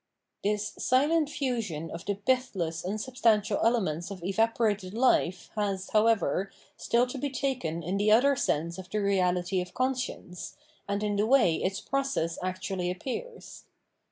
* This silent fusion of the pithless unsubstantial ele ments of evaporated Hfe has, however, still to be taken in the other sense of the reality of conscience, and in the way its process actually appears.